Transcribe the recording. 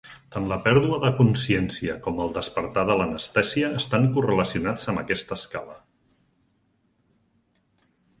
Tant la pèrdua de consciència com el despertar de l'anestèsia estan correlacionats amb aquesta escala.